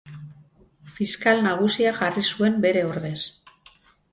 Fiskal nagusia jarri zuen bere ordez.